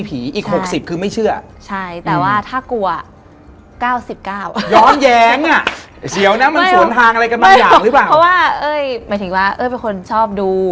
เพราะว่าเอ้ยหมายถึงว่าเอ้ยเป็นคนชอบดู